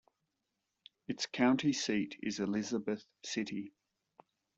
Its county seat is Elizabeth City.